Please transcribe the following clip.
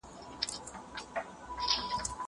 هغه څوک چي لیکل کوي پوهه زياتوي!!